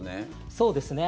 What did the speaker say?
そうですね。